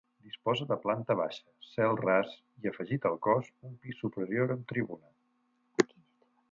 Disposa de planta baixa, cel ras i, afegit al cos, un pis superior amb tribuna.